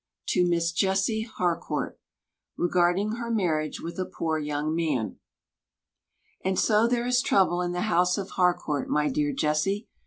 To Miss Jessie Harcourt Regarding Her Marriage with a Poor Young Man And so there is trouble in the house of Harcourt, my dear Jessie.